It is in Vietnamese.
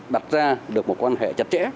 đặt ra được một quan hệ chặt chẽ